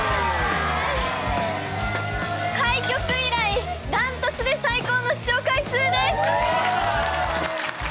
開局以来ダントツで最高の視聴回数です